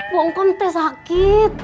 mungkin tes sakit